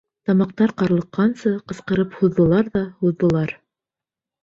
Тамаҡтар ҡарлыҡҡансы ҡысҡырып һуҙҙылар ҙа һуҙҙылар.